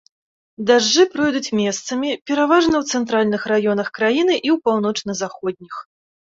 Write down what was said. Дажджы пройдуць месцамі, пераважна ў цэнтральных раёнах краіны і ў паўночна-заходніх.